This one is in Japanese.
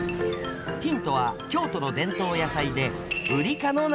ヒントは京都の伝統野菜でウリ科の夏野菜。